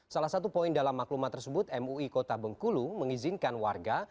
salah satu poin dalam maklumat tersebut mui kota bengkulu mengizinkan warga